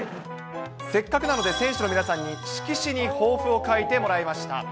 せっかくなので、選手の皆さんに、色紙に抱負を書いてもらいました。